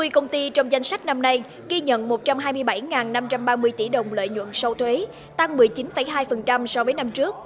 năm mươi công ty trong danh sách năm nay ghi nhận một trăm hai mươi bảy năm trăm ba mươi tỷ đồng lợi nhuận sau thuế tăng một mươi chín hai so với năm trước